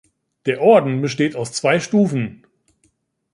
Der Orden besteht aus zwei Stufen.